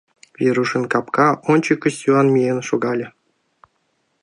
Верушын капка ончыко сӱан миен шогале.